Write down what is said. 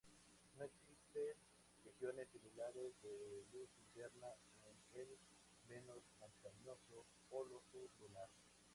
No existen regiones similares de luz eterna en el menos montañoso polo sur lunar.